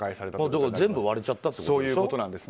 だから全部割れちゃったってことでしょ。